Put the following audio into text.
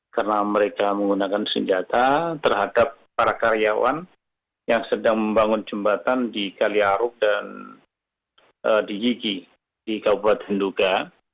karena mereka menggunakan senjata terhadap para karyawan yang sedang membangun jembatan di kali aurak dan di yigi di kabupaten nduga